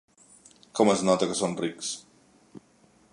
Com es nota que són rics!